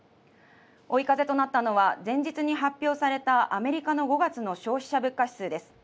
追い風となったのは、前日に発表されたアメリカの５月の消費者物価指数です。